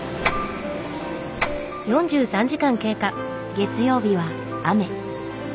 月曜日は雨。